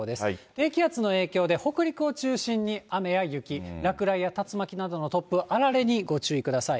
低気圧の影響で、北陸を中心に雨や雪、落雷や竜巻などの突風、あられにご注意ください。